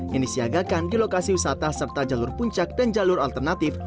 yang disiagakan di lokasi wisata serta jalur puncak dan jalur alternatif